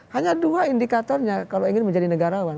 hanya dua indikatornya kalau ingin menjadi negarawan